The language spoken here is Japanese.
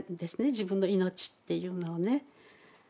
自分の命っていうのをね。